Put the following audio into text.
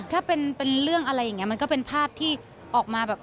ถ้าเป็นเรื่องอะไรอย่างนี้มันก็เป็นภาพที่ออกมาแบบ